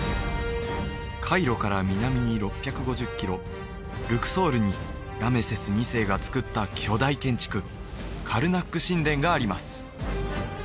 カイロから南に６５０キロルクソールにラメセス２世が造った巨大建築カルナック神殿があります